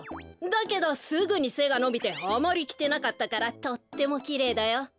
だけどすぐにせがのびてあまりきてなかったからとってもきれいだよ。